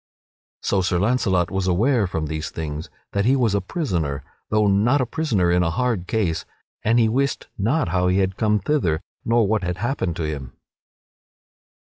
So Sir Launcelot was aware from these things that he was a prisoner though not a prisoner in a hard case and he wist not how he had come thither nor what had happened to him.